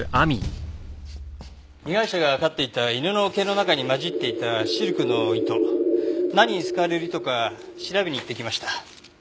被害者が飼っていた犬の毛の中に交じっていたシルクの糸何に使われる糸か調べに行ってきました。